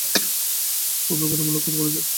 খুবই গঠনমূলক কথা বলেছো।